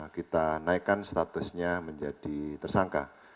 kita naikkan statusnya menjadi tersangka